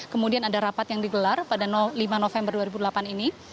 kemudian ada rapat yang digelar pada lima november dua ribu delapan ini